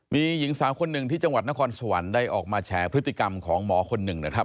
มีหญิงสาวคนหนึ่งที่จังหวัดนครสวรรค์ได้ออกมาแฉพฤติกรรมของหมอคนหนึ่งนะครับ